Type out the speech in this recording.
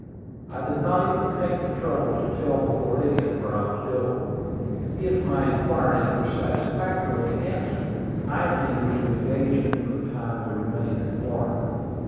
I did not even take the trouble to tell the Floridian where I was going. If my inquiries were satisfactorily answered, I intended to engage him for the time we remained in Florida.